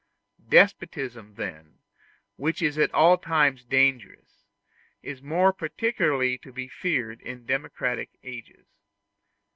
Despotism then, which is at all times dangerous, is more particularly to be feared in democratic ages.